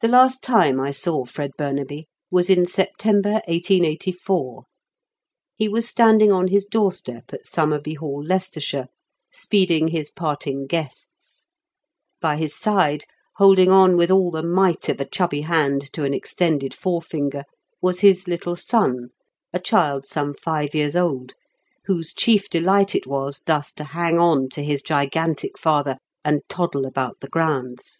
The last time I saw Fred Burnaby was in September 1884. He was standing on his doorstep at Somerby Hall, Leicestershire, speeding his parting guests. By his side, holding on with all the might of a chubby hand to an extended forefinger, was his little son, a child some five years old, whose chief delight it was thus to hang on to his gigantic father and toddle about the grounds.